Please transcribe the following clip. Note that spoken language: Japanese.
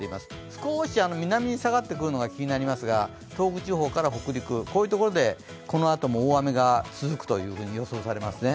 少し南に下がってくるのが気になりますが、東北地方から北陸、こういうところでこのあとも大雨が続くと予想されますね。